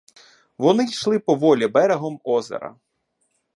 Вони йшли поволі берегом озера.